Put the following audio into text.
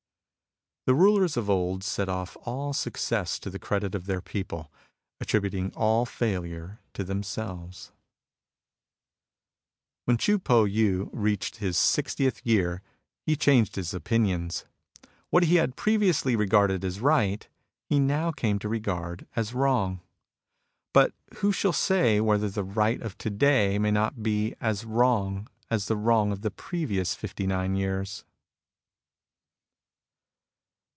The rulers of old set oflE all success to the credit of their people, attributing all failure to them When Chii Po Yii reached his sixtieth year, he changed his opinions. What he had previously regarded as right, he now came to regard as wrong. But who shall say whether the right 106 MUSINGS OF A CHINESE MYSTIC of to day may not be as wrong as the wrong of the previous fifty nine years